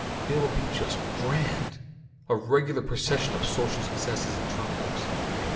It'll be just grand! A regular procession of social successes and triumphs.